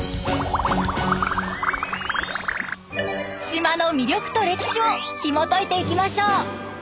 島の魅力と歴史をひもといていきましょう。